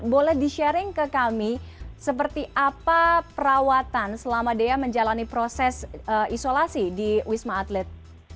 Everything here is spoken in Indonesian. boleh di sharing ke kami seperti apa perawatan selama dea menjalani proses isolasi di wisma atlet